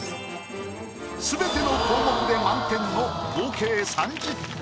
すべての項目で満点の合計３０点。